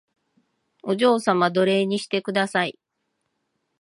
お嬢様奴隷にしてください